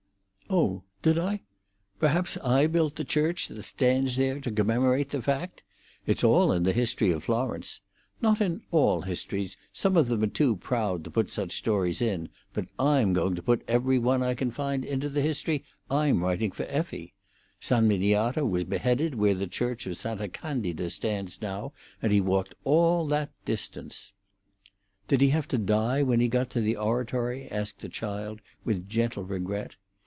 "Oh, did I? Perhaps I built the church that stands there to commemorate the fact. It's all in the history of Florence. Not in all histories; some of them are too proud to put such stories in, but I'm going to put every one I can find into the history I'm writing for Effie. San Miniato was beheaded where the church of Santa Candida stands now, and he walked all that distance." "Did he have to die when he got to the oratory?" asked the child, with gentle regret.